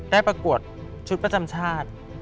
ประกวดชุดประจำชาติ